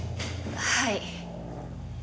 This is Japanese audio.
はい。